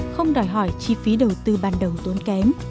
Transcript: không đòi hỏi chi phí đầu tư ban đầu tốn kém